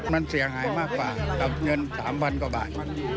มันเสียหายมากกว่ากับเงิน๓๐๐กว่าบาท